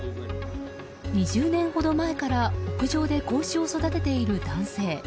２０年ほど前から屋上で子牛を育てている男性。